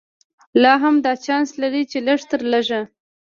لا هم دا چانس لري چې لږ تر لږه.